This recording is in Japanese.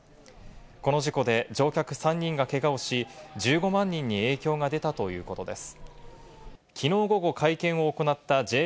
この事故で乗客３人がけがをし、１５万人に影響が出たということです。